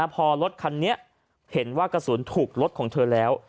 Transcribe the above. พอรถคันนี้เห็นว่ากระสุนถูกรถของเธอแล้ว